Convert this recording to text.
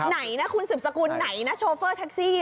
ไหนนะคุณสืบสกุลไหนนะโชเฟอร์แท็กซี่